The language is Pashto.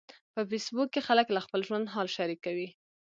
په فېسبوک کې خلک له خپل ژوند حال شریکوي.